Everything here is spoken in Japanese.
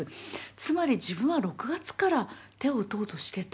つまり自分は６月から手を打とうとしてた。